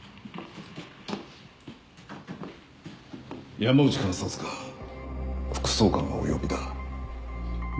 山内監察官副総監がお呼びだ。